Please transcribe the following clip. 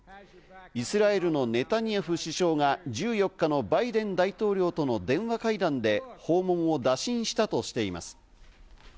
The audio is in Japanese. イスラエルのネタニヤフ首相が１４日のバイデン大統領との電話会談で訪問を打診したとしています。